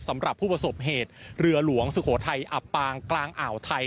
สำหรับผู้ประสบเหตุเรือหลวงสุโขทัยอับปางกลางอ่าวไทย